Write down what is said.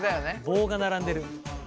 棒が並んでる。